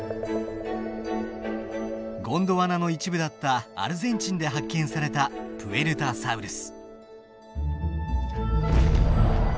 ゴンドワナの一部だったアルゼンチンで発見されたプエルタサウルス。